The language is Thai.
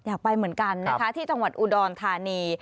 อยากไปเหมือนกันนะคะที่จังหวัดอุดรธานี